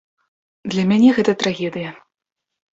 Для мяне гэта трагедыя.